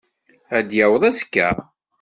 Ad d-yaweḍ azekka?